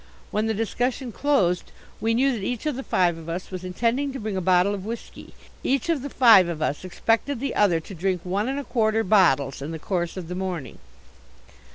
When the discussion closed we knew that each of the five of us was intending to bring a bottle of whisky. Each of the five of us expected the other to drink one and a quarter bottles in the course of the morning.